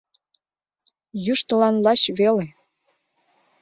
— Йӱштылан лач веле...